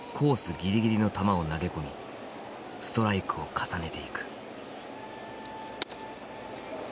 ぎりぎりの球を投げ込みストライクを重ねていく。